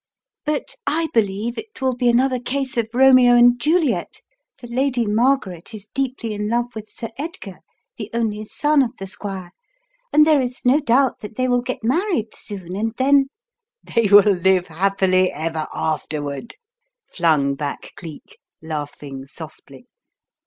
But I believe it will be another case 12 The Riddle of the Purple Emperor of Romeo and Juliet, for Lady Margaret is deeply in love with Sir Edgar, the only son of the squire, and there is no doubt that they will get married soon and then — i ana men " They will live happily ever afterward," flung back Cleek, laughing softly.